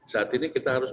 saat ini kita harus